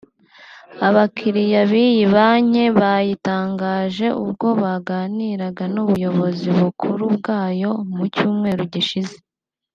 Abakiriya b’iyi banki babitangaje ubwo baganiraga n’ubuyobozi bukuru bwayo mu cyumweru gishize